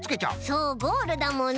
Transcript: そうゴールだもんね。